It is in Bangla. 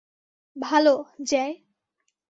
ভালো, জ্যায়।